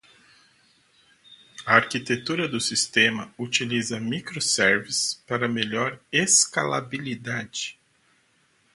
A arquitetura do sistema utiliza microservices para melhor escalabilidade.